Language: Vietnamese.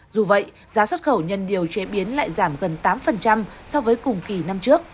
dù vậy giá xuất khẩu nhân điều chế biến lại giảm gần tám so với cùng kỳ năm trước